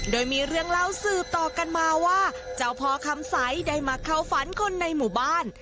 โดยมีเรื่องเล่าสืบต่อกันมาว่าเจ้าพ่อคำใสได้มาเข้าฝันคนในหมู่บ้าน